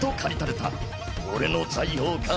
「俺の財宝か？